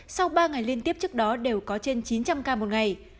sau ba ngày liên tiếp trước đó đều có trên chín trăm linh ca một ngày